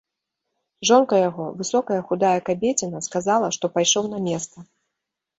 Жонка яго, высокая худая кабеціна, сказала, што пайшоў на места.